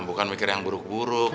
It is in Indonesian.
bukan mikir yang buruk buruk